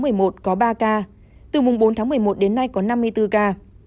phường phú đô có ba ca từ mùng bốn tháng một mươi một đến nay có năm mươi bốn ca